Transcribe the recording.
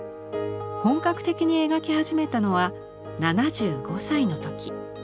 本格的に描き始めたのは７５歳の時。